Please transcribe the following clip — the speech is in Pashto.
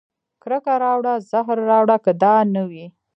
کرکه راوړه زهر راوړه که دا نه وي